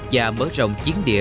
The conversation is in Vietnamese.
và mở rộng chiến thuật đánh pháp